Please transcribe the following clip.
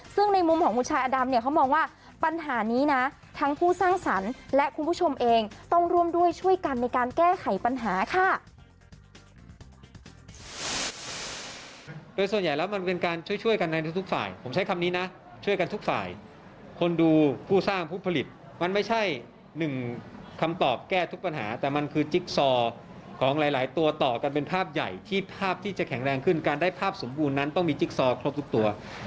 ซึ่งในมุมของผู้ชายอดำเนี่ยเขามองว่าปัญหานี้นะทั้งผู้สร้างสรรค์และคุณผู้ชมเองต้องร่วมด้วยช่วยกันในการแก้ไขปัญหาค่ะ